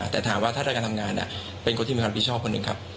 แต่ถามว่าถ้าใดการทำงานเป็นคนที่เป็นคนบิชอบคนหนึ่งครับ